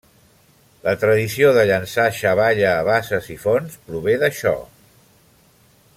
La tradició de llançar xavalla a basses i fonts prové d'això.